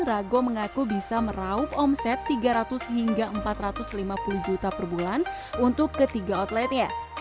rago mengaku bisa meraup omset tiga ratus hingga empat ratus lima puluh juta per bulan untuk ketiga outletnya